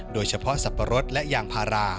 โดยเฉพาะสับปะรดและยางพารา